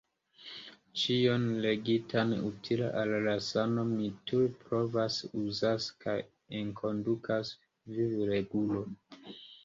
Ĉion legitan utila al la sano mi tuj provas-uzas kaj enkondukas vivregulo.